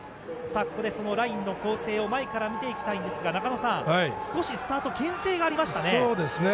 ここでそのラインの攻勢を前から見ていきたいんですが、中野さん、少しスタートけん制がありましたそうですね。